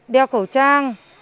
đeo khẩu trang